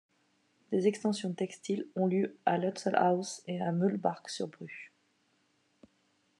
Des extensions textiles ont lieu à Lutzelhouse et à Mühlbach-sur-Bruche.